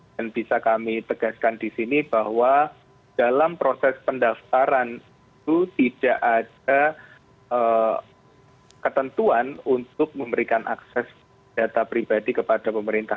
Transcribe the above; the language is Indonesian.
dan bisa kami tegaskan di sini bahwa dalam proses pendaftaran itu tidak ada ketentuan untuk memberikan akses data pribadi kepada pemerintah